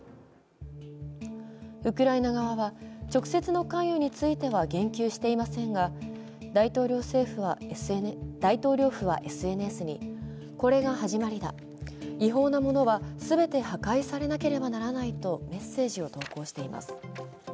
ウクライナ側は、直接の関与については言及していませんが、大統領府はＳＮＳにこれが始まりだ、違法なものは全て破壊されなければならないとメッセージを投稿しています。